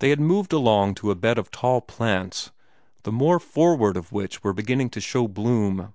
They had moved along to a bed of tall plants, the more forward of which were beginning to show bloom.